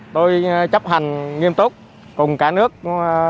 tôi chấp hành nghiêm túc cùng cả nước phòng chống dịch hiệu quả